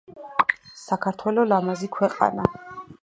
საქართველო ლამაზი ქვეყანა